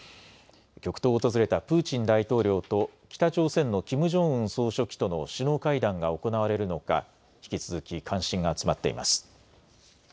極東を訪れたプーチン大統領と北朝鮮のキム・ジョンウン総書記との首脳会談が行われるのか引き続き関心が集まっています。